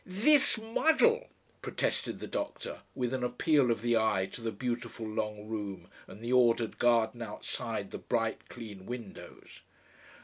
"THIS muddle," protested the doctor with an appeal of the eye to the beautiful long room and the ordered garden outside the bright clean windows.